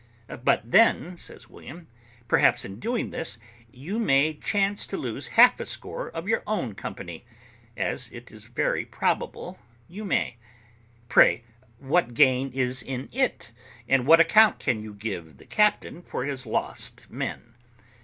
But then," says William, "perhaps, in doing this, you may chance to lose half a score of your own company, as it is very probable you may. Pray, what gain is in it? and what account can you give the captain for his lost men?"